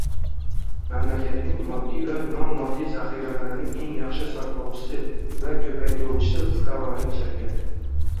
Mamlakatning moddiy va nomoddiy zaxiralarining eng yaxshi saqlovchisi va ko‘paytiruvchisi — fuqarolik jamiyati